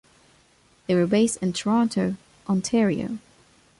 They were based in Toronto, Ontario.